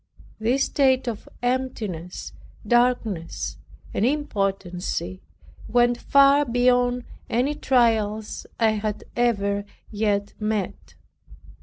This state of emptiness, darkness, and impotency, went far beyond any trials I had ever yet met.